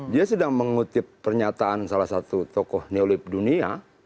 dia sedang mengutip pernyataan salah satu tokoh neolib dunia